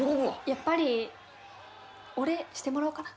やっぱりお礼してもらおうかな。